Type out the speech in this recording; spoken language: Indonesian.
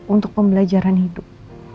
untuk pembelajaran hidup